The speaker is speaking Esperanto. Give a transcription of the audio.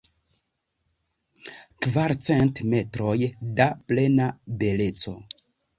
Kvarcent metroj da plena beleco.